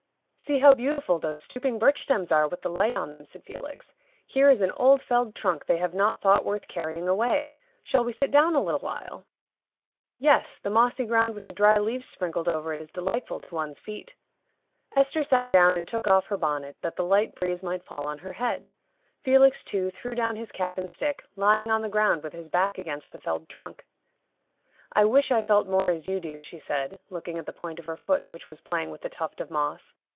"See how beautiful those stooping birch stems are with the light on them!" said Felix. "Here is an old felled trunk they have not thought worth carrying away. Shall we sit down a little while?" "Yes; the mossy ground with the dry leaves sprinkled over it is delightful to one's feet." Esther sat down and took off her bonnet, that the light breeze might fall on her head. Felix, too, threw down his cap and stick, lying on the ground with his back against the felled trunk. "I wish I felt more as you do," she said, looking at the point of her foot, which was playing with a tuft of moss.